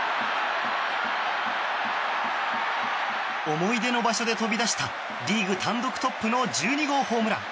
思い出の場所で飛び出したリーグ単独トップの１２号ホームラン。